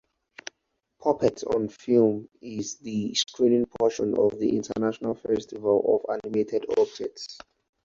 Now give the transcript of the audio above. Puppets on Film is the screening portion of the International Festival of Animated Objects.